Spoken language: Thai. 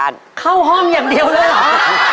เข้าห้องอย่างเดียวเลยเหรอ